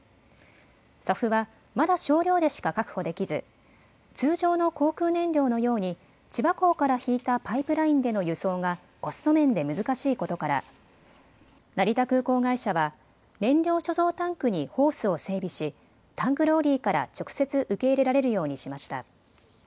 ＳＡＦはまだ少量でしか確保できず通常の航空燃料のように千葉港から引いたパイプラインでの輸送がコスト面で難しいことから成田空港会社は燃料貯蔵タンクにホースを整備しタンクローリーから直接受け入れられるようにしました。